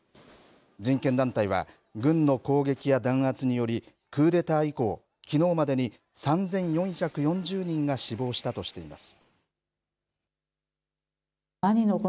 人権団体は軍の攻撃や弾圧によりクーデター以降きのうまでに３４４０人が死亡したとしています。